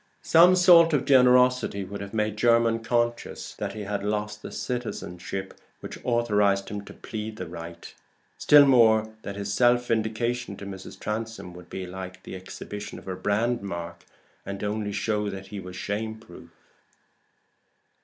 Some salt of generosity would have made Jermyn conscious that he had lost the citizenship which authorized him to plead the right; still more, that his self vindication to Mrs. Transome would be like the exhibition of a brand mark, and only show that he was shame proof.